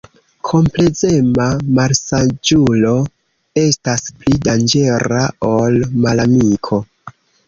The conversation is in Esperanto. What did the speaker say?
Komplezema malsaĝulo estas pli danĝera ol malamiko.